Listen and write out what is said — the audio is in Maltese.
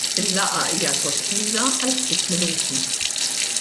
Il-laqgħa hija sospiża għal ftit minuti.